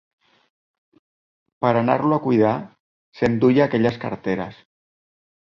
Pera anar-lo a cuidar s'enduia aquelles carteres